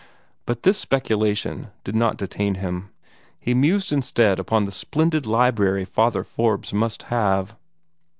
But this speculation did not detain him. He mused instead upon the splendid library Father Forbes must have.